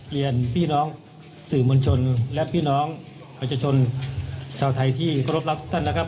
เรียนพี่น้องสื่อมวลชนและพี่น้องประชาชนชาวไทยที่เคารพรักท่านนะครับ